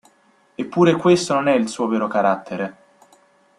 Eppure questo non è il suo vero carattere.